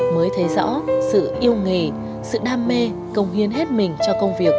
mới thấy rõ sự yêu nghề sự đam mê công hiến hết mình cho công việc